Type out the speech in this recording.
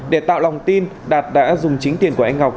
để tạo lòng tin đạt đã dùng chính tiền của anh ngọc